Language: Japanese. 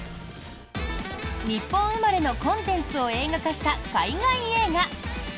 日本生まれのコンテンツを映画化した海外映画。